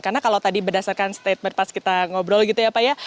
karena kalau tadi berdasarkan statement pas kita ngobrol gitu ya pak ya